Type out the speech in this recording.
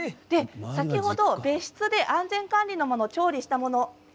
先ほど別室で安全管理のもと調理したもの。